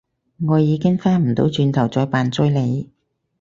我已經返唔到轉頭再扮追你